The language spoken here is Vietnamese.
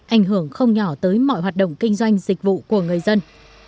ảnh hưởng không nhỏ tới mọi hoạt động kinh doanh dịch vụ của người dân